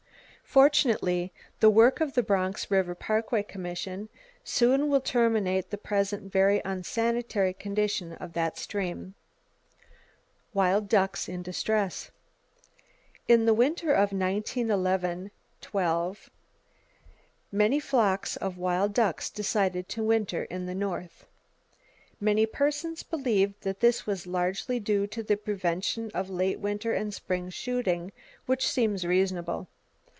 Fortunately the work of the Bronx River Parkway Commission soon will terminate the present very unsanitary condition of that stream. Wild Ducks In Distress. —In the winter of 1911 12, many flocks of wild ducks decided to winter in the North. Many persons believe that this was largely due to the prevention of late winter and spring shooting; which seems reasonable.